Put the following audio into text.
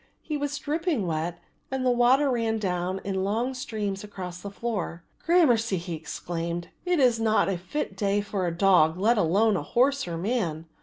He was dripping wet and the water ran down in long streams across the floor. "Gramercy," he exclaimed, "it is not a fit day for a dog let alone a horse or a man.